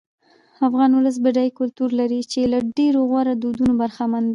افغان ولس بډای کلتور لري چې له ډېرو غوره دودونو برخمن دی.